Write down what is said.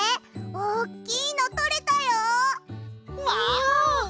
おっきいのとれたよ！